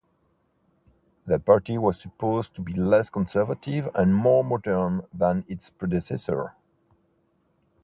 The party was supposed to be less conservative and more modern that its predecessor.